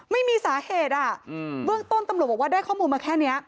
ไม่มีสาเหตุเบื้องต้นตำรวจบอกว่าได้ข้อมูลมาแค่นี้